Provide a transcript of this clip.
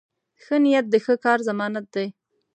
ښه نیت د ښه کار ضمانت دی.